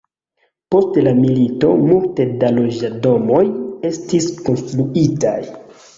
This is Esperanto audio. Post la milito multe da loĝdomoj estis konstruitaj.